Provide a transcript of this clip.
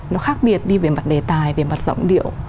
nó khác biệt đi về mặt đề tài về mặt giọng điệu